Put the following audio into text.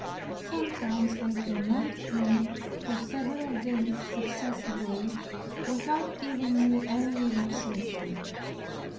Sometimes they tormented me for several days successively, without giving me any relaxation.